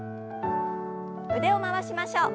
腕を回しましょう。